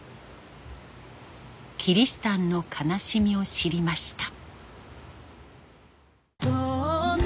キリシタンの悲しみを知りました。